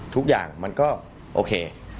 ทุกอย่างมันก็โอเค